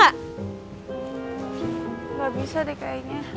gak bisa deh kayaknya